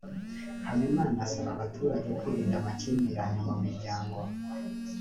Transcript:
Habimana asaba abaturage kwirinda amakimbirane mu miryango